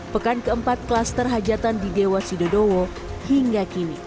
pekan keempat klaster hajatan di dewa sidodowo hingga kini